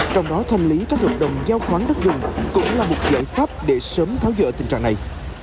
trong đó thanh lý các hợp đồng giao khoán đất dùng cũng là một giải pháp để sớm tháo dỡ tình trạng này